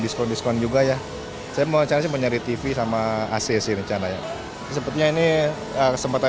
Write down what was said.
diskon diskon juga ya saya mau cari mencari tv sama ac sih rencana ya sepertinya ini kesempatan